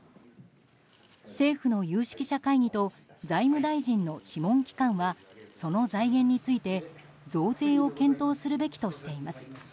政府の有識者会議と財務大臣の諮問機関はその財源について、増税を検討するべきとしています。